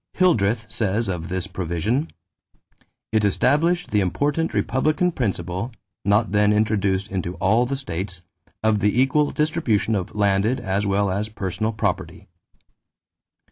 Hildreth says of this provision: "It established the important republican principle, not then introduced into all the states, of the equal distribution of landed as well as personal property."